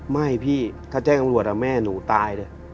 ไม่พี่ถ้าแจ้งตำรวจแม่หนูตายเลย